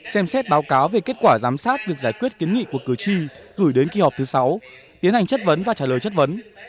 xem xét báo cáo về kết quả giám sát việc giải quyết kiến nghị của cử tri gửi đến kỳ họp thứ sáu tiến hành chất vấn và trả lời chất vấn